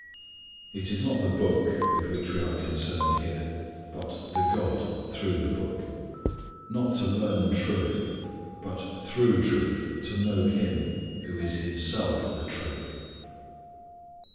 It is not the Book with which we are concerned here but the God through the Book. Not to learn truth but through truth to know Him who is Himself the Truth.